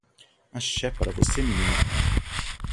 Axé pra você menina.